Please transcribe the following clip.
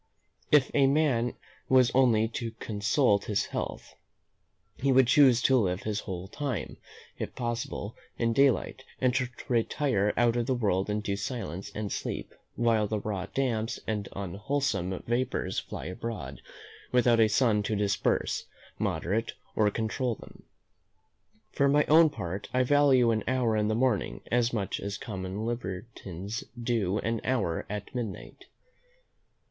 If a man was only to consult his health, he would choose to live his whole time, if possible, in daylight, and to retire out of the world into silence and sleep, while the raw damps and unwholesome vapours fly abroad, without a sun to disperse, moderate, or control them. For my own part, I value an hour in the morning as much as common libertines do an hour at midnight.